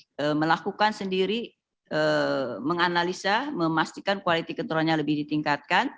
jadi kita harus melakukan sendiri menganalisa memastikan kualitas keterolanya lebih ditingkatkan